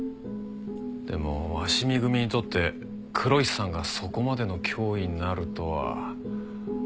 でも鷲見組にとって黒石さんがそこまでの脅威になるとは。